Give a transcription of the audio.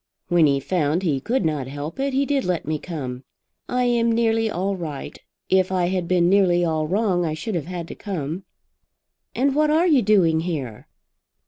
"When he found he could not help it, he did let me come. I am nearly all right. If I had been nearly all wrong I should have had to come." "And what are you doing here?"